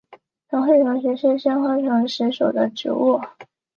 长穗虫实是苋科虫实属的植物。